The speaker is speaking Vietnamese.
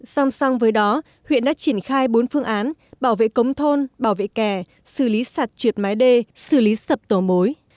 song song với đó huyện đã triển khai bốn phương án bảo vệ cống thôn bảo vệ kè xử lý sạt trượt mái đê xử lý sập tổ mối